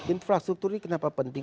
infrastruktur ini kenapa penting